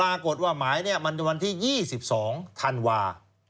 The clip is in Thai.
นาคตว่าหมายมันวันที่๒๒ธันวาค์